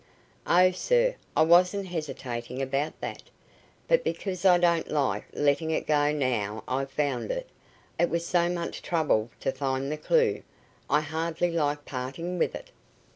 "Oh, sir, I wasn't hesitating about that, but because I don't like letting it go now I've found it. It was so much trouble to find the clue, I hardly like parting with it.